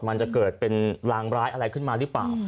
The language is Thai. มันจะเกิดเป็นรางร้ายอะไรขึ้นมาหรือเปล่า